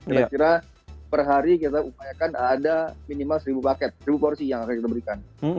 kira kira per hari kita upayakan ada minimal seribu paket seribu porsi yang akan kita berikan